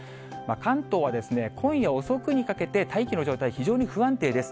関東は今夜遅くにかけて大気の状態、非常に不安定です。